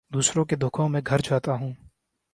دوسروں کے دکھوں میں گھر جاتا ہوں